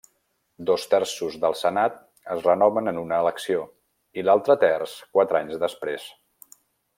Dos-terços del Senat es renoven en una elecció, i l'altre terç quatre anys després.